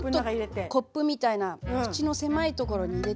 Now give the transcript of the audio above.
コップみたいな口の狭いところに入れて。